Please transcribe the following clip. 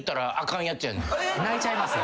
泣いちゃいます。